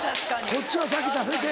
こっちは先食べて。